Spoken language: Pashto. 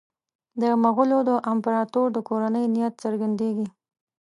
د مغولو د امپراطور د کورنۍ نیت څرګندېږي.